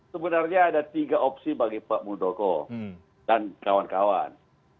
sebenarnya ada tiga opsi bagi pak muldoko dan kawan kawan